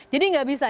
jadi gak bisa